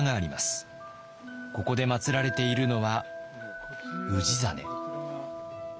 ここでまつられているのは氏真。